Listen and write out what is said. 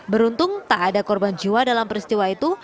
beruntung tak ada korban jiwa dalam peristiwa itu